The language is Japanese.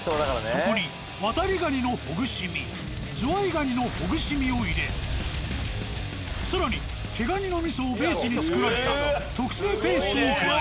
そこにワタリガニのほぐし身ズワイガニのほぐし身を入れ更に毛ガニの味噌をベースに作られた特製ペーストを加え。